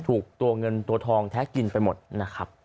ถูกตัวเงินตัวทองแท้กินไปหมดนะครับ